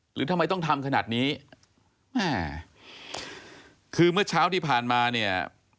หรือทำไมต้องทำขนาดนี้อ่าคือเมื่อเช้าที่ผ่านมาเนี่ย